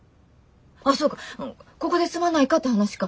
あぁそうここで住まないかって話か。